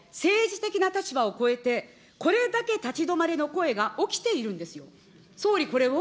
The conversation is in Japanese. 政治的な立場を超えて、これだけ立ち止まれの声が起きているんですよ。